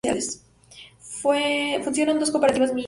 Funcionan dos cooperativas vinícolas.